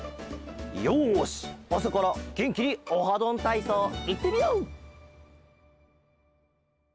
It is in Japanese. よしあさからげんきに「オハどんたいそう」いってみよう！